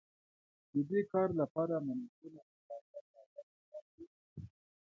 د دې کار لپاره مناسبه اندازه کاغذ وټاکئ.